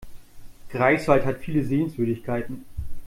Greifswald hat viele Sehenswürdigkeiten